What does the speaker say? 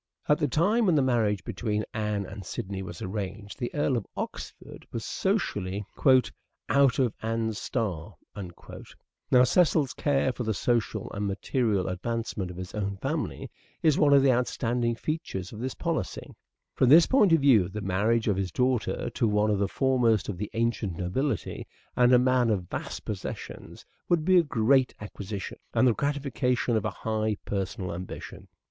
At the time when the marriage between Anne and Sidney was arranged the Earl of Oxford was, socially, " out of Anne's star." Now Cecil's care for the social and material advancement of his own family is one of the outstanding features of his policy. From this EARLY MANHOOD OF EDWARD DE VERE 257 point of view the marriage of his daughter to one of the foremost of the ancient nobility, and a man of vast possessions, would be a great acquisition and the gratification of a high personal ambition.